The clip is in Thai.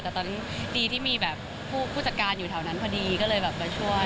แต่ตอนนั้นดีที่มีแบบผู้จัดการอยู่แถวนั้นพอดีก็เลยแบบมาช่วย